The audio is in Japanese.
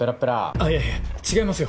あっいやいや違いますよ